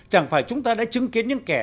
chẳng phải chúng ta đã chứng kiến những kẻ